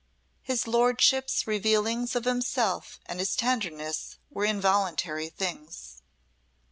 His Lordship's revealings of himself and his tenderness were involuntary things.